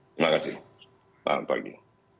terima kasih selamat pagi